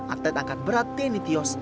atlet angkat berat teni tios